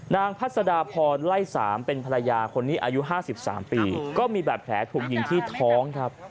พัศดาพรไล่๓เป็นภรรยาคนนี้อายุ๕๓ปีก็มีบาดแผลถูกยิงที่ท้องครับ